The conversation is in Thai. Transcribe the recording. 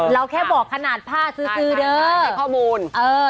เราแค่บอกขนาดผ้าซื้อเด้อให้ข้อมูล